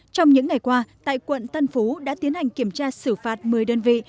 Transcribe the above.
trong những ngày qua tại quận tân phú đã tiến hành kiểm tra xử phạt một mươi đơn vị